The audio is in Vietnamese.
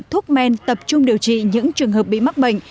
thuốc men tập trung điều trị những trường hợp bị mắc bệnh